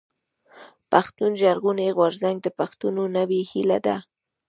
پښتون ژغورني غورځنګ د پښتنو نوې هيله ده.